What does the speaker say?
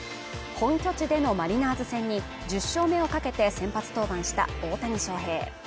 本拠地でのマリナーズ戦に１０勝目をかけて先発登板した大谷翔平